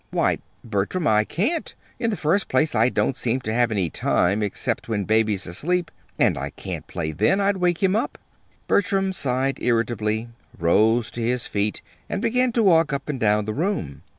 "Why, Bertram, I can't. In the first place I don't seem to have any time except when Baby's asleep; and I can't play then I'd wake him up." Bertram sighed irritably, rose to his feet, and began to walk up and down the room.